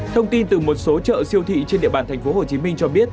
thông tin từ một số chợ siêu thị trên địa bàn thành phố hồ chí minh cho biết